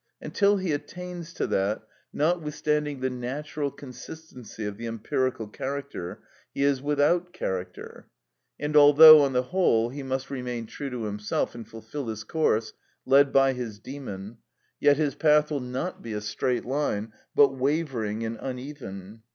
Until he attains to that, notwithstanding the natural consistency of the empirical character, he is without character. And although, on the whole, he must remain true to himself, and fulfil his course, led by his dæmon, yet his path will not be a straight line, but wavering and uneven.